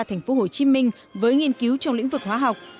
thành phố hồ chí minh với nghiên cứu trong lĩnh vực hóa học